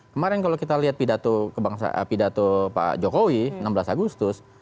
kemarin kalau kita lihat pidato pak jokowi enam belas agustus